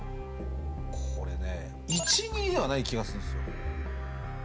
これね１２ではない気がするんですよ